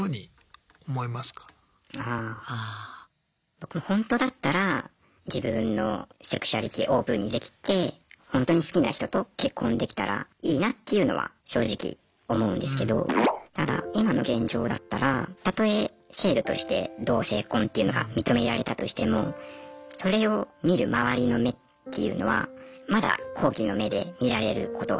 僕ほんとだったら自分のセクシュアリティーオープンにできてほんとに好きな人と結婚できたらいいなっていうのは正直思うんですけどただ今の現状だったらたとえ制度として同性婚というのが認められたとしてもそれを見る周りの目っていうのはまだ好奇の目で見られることが。